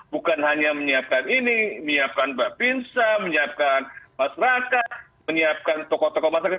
bukan hanya menyiapkan ini menyiapkan babinsa menyiapkan masyarakat menyiapkan tokoh tokoh masyarakat